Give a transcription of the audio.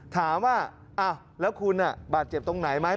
ถามว่าอ่ะแล้วคุณอะบาดเจ็บตรงไหนมั้ย